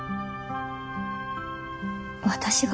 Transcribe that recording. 私が？